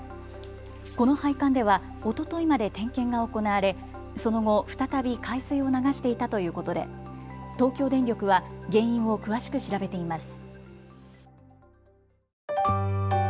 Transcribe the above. この配管ではおとといまで点検が行われその後再び海水を流していたということで東京電力は原因を詳しく調べています。